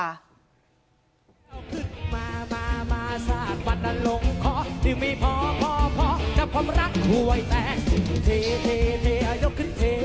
แกคนไม่รักได้ไม่ใช่พี่แต่ก็ยังมาหรอก